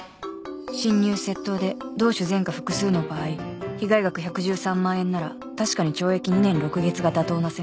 侵入窃盗で同種前科複数の場合被害額１１３万円なら確かに懲役２年６月が妥当な線